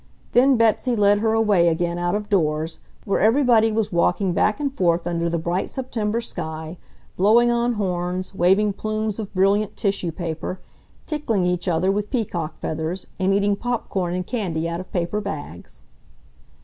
Then Betsy led her away again out of doors, where everybody was walking back and forth under the bright September sky, blowing on horns, waving plumes of brilliant tissue paper, tickling each other with peacock feathers, and eating pop corn and candy out of paper bags.